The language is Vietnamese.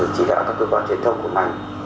chỉ đạo các cơ quan truyền thông của ngành